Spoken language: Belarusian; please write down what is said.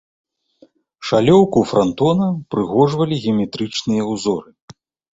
Шалёўку франтона ўпрыгожвалі геаметрычныя ўзоры.